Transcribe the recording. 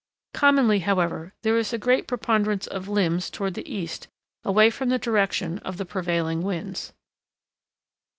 Commonly, however, there is a great preponderance of limbs toward the east, away from the direction of the prevailing winds.